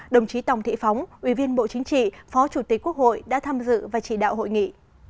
đồng chí tòng thị phóng ủy viên bộ chính trị phó chủ tịch quốc hội đã tham dự và chỉ đạo hội nghị